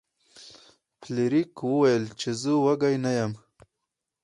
فلیریک وویل چې زه وږی نه یم.